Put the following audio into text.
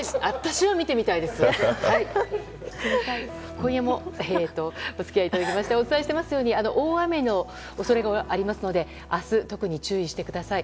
今夜もお付き合いいただきましてお伝えしていますように大雨の恐れがありますので明日、特に注意してください。